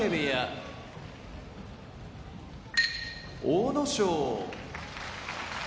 阿武咲